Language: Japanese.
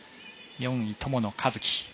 ４位、友野一希。